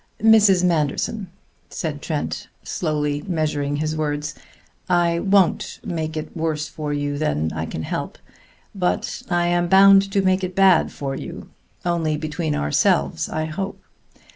"Mrs. Manderson," said Trent, slowly measuring his words, "I won't make it worse for you than I can help. But I am bound to make it bad for you only between ourselves, I hope.